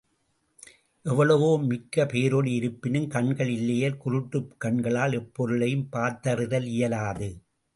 எவ்வளவோ மிக்க பேரொளி இருப்பினும், கண்கள் இல்லையேல் குருட்டுக் கண்களால் எப்பொருளையும் பார்த்தறிதல் இயலாது.